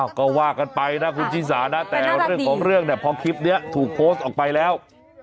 ก็ว่ากันไปนะคุณชิสานะแต่เรื่องของเรื่องเนี่ยพอคลิปนี้ถูกโพสต์ออกไปแล้ว